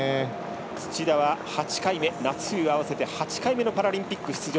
土田は夏冬合わせて８回目のパラリンピック出場。